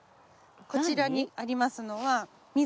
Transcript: こちらにありますのは水菜。